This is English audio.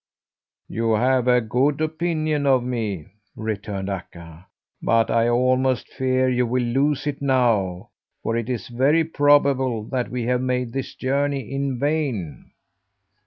"You have a good opinion of me," returned Akka, "but I almost fear you will lose it now, for it's very probable that we have made this journey in vain.